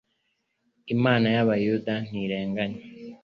imana ya bayuda ntirenganya